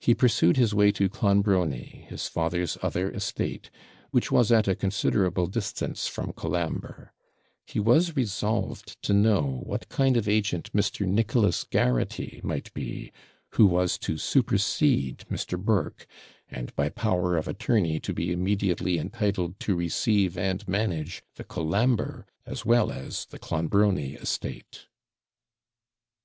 He pursued his way to Clonbrony, his father's other estate, which was at a considerable distance from Colambre; he was resolved to know what kind of agent Mr. Nicholas Garraghty might be, who was to supersede Mr. Burke, and by power of attorney to be immediately entitled to receive and manage the Colambre as well as the Clonbrony estate.